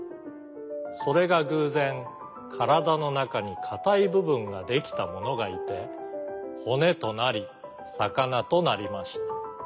それがぐうぜんからだのなかにかたいぶぶんができたものがいてほねとなりさかなとなりました。